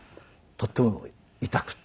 とっても痛くって。